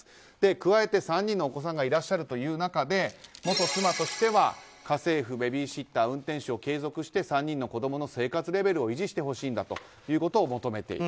加えて３人のお子さんがいらっしゃるという中で元妻としては家政婦、ベビーシッター運転手を継続して３人の子供の生活レベルを維持してほしいんだということを求めている。